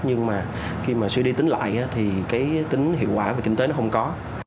nhưng mà khi mà suy đi tính lại thì cái tính hiệu quả về kinh tế nó không có